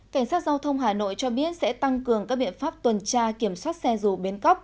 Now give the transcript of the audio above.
cảnh sát giao thông hà nội cho biết sẽ tăng cường các biện pháp tuần tra kiểm soát xe dù bến cóc